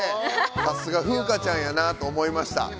さすが風花ちゃんやなと思いました。